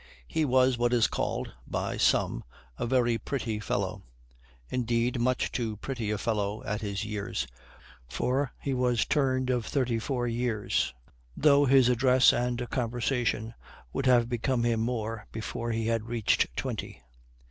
He was what is called by some a very pretty fellow; indeed, much too pretty a fellow at his years; for he was turned of thirty four, though his address and conversation would have become him more before he had reached twenty.